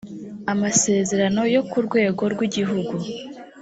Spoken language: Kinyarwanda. amasezerano yo ku rwego rw’igihugu